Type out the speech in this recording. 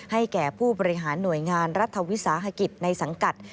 แก่ผู้บริหารหน่วยงานรัฐวิสาหกิจในสังกัด